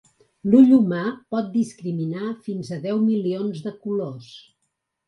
L'ull humà pot discriminar fins a deu milions de colors.